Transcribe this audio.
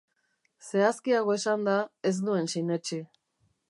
Zehazkiago esanda, ez nuen sinetsi.